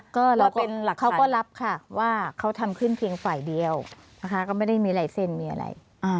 ก็เขาก็รับค่ะว่าเขาทำขึ้นเพียงฝ่ายเดียวนะคะก็ไม่ได้มีอะไรเส้นมีอะไร